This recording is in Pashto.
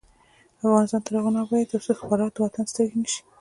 افغانستان تر هغو نه ابادیږي، ترڅو استخبارات د وطن سترګې نشي.